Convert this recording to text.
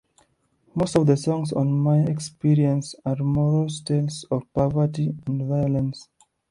Most of the songs on "My Xperience" are morose tales of poverty and violence.